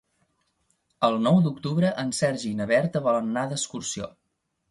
El nou d'octubre en Sergi i na Berta volen anar d'excursió.